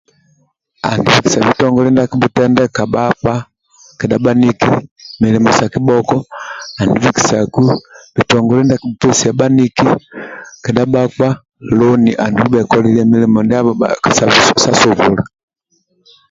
Andi bikisa bitongole ndua akibhutendeka bhakpa kedha bhaniki milimo sa kibhoko andi bikisaku bitongole ndia kibhupesia bhaniki kedha bhakpa loni sa subula bhekolilie milimo ndiabho sa subula